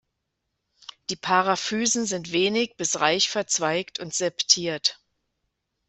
Die Paraphysen sind wenig bis reich verzweigt und septiert.